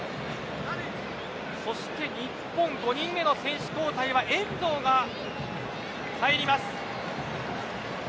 そして日本５人目の選手交代は遠藤が入ります。